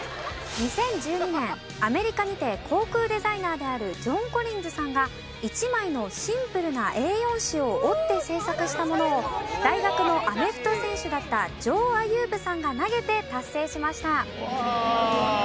２０１２年アメリカにて航空デザイナーであるジョン・コリンズさんが１枚のシンプルなＡ４紙を折って制作したものを大学のアメフト選手だったジョー・アユーブさんが投げて達成しました。